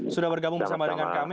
sudah bergabung bersama dengan kami